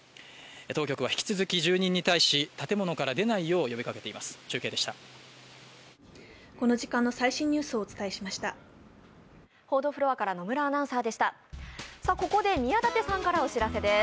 当局は引き続き住人に対し、建物から出ないよう呼びかけています。